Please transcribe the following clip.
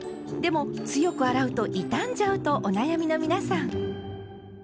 でも強く洗うと傷んじゃうとお悩みの皆さん。